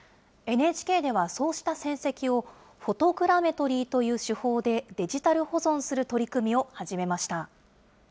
ＮＨＫではそうした戦跡を、フォトグラメトリーという手法でデジタル保存する取り組みを始めました。